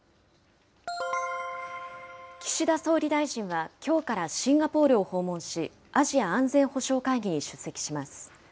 岸田総理大臣はきょうからシンガポールを訪問し、アジア安全保障会議に出席します。